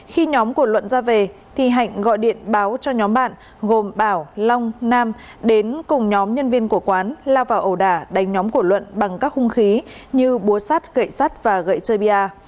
khi nhóm của luận ra về thì hạnh gọi điện báo cho nhóm bạn gồm bảo long nam đến cùng nhóm nhân viên của quán lao vào ẩu đả đánh nhóm của luận bằng các hung khí như búa sắt gậy sắt và gậy chơi bia